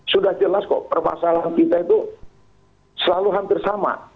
sudah jelas kok permasalahan kita itu selalu hampir sama